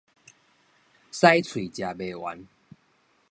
使嘴食袂完